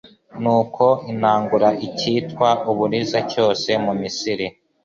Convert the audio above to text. Nuko inangura icyitwa uburiza cyose mu Misiri